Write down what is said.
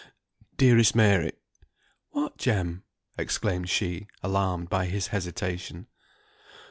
"Dearest Mary, " "What, Jem?" exclaimed she, alarmed by his hesitation.